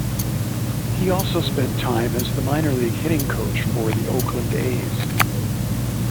He also spent time as the minor league hitting coach for the Oakland A's.